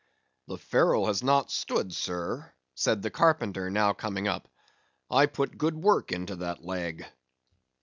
"The ferrule has not stood, sir," said the carpenter, now coming up; "I put good work into that leg."